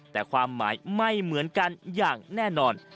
แต่ความหมายไม่เหมือนกันอย่างแน่นอน